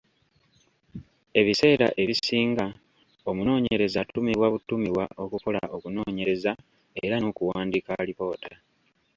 Ebiseera ebisinga, omunoonyereza atumibwa butumibwa okukola okunoonyeereza era n'okuwandiika alipoota.